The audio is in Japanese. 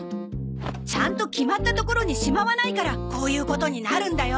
ちゃんと決まった所にしまわないからこういうことになるんだよ。